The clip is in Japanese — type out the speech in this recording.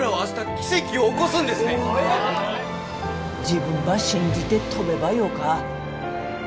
自分ば信じて飛べばよか。